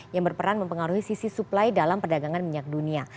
yang berperan mempengaruhi sisi suplai dalam perdagangan minyak dunia